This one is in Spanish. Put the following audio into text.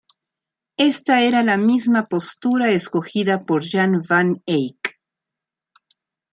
Esta era la misma postura escogida por Jan van Eyck.